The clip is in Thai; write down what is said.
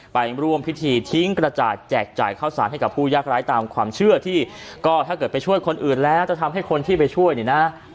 ไปร่วมพิธีทิ้งกระจาดแจกจ่ายข้าวสารให้กับผู้ยากร้ายตามความเชื่อที่ก็ถ้าเกิดไปช่วยคนอื่นแล้วจะทำให้คนที่ไปช่วยเนี่ยนะ